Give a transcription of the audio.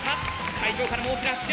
会場からも大きな拍手！